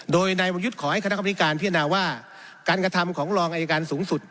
โดยนายวรยุทธ์ขอให้คณะกรรมธิการพิจารณาว่าการกระทำของรองอายการสูงสุด